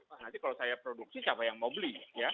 nanti kalau saya produksi siapa yang mau beli